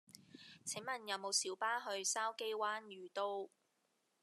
請問有無小巴去筲箕灣譽都